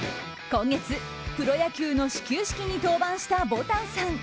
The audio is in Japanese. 今月、プロ野球の始球式に登板したぼたんさん。